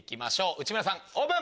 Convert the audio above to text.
内村さんオープン！